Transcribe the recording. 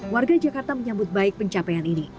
warga jakarta menyambut baik pencapaian ini